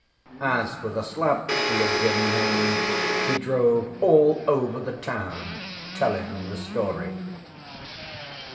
As for the slaps she had given him, he drove all over the town telling the story.